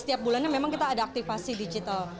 setiap bulannya memang kita ada aktifasi digital